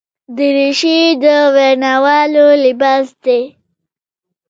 دریشي د ویناوالو لباس دی.